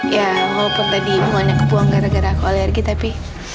ya walaupun tadi bunganya kebuang gara gara aku alergi tapi